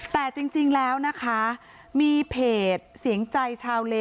แต่จริงแล้วนะคะมีเพจเสียงใจชาวเล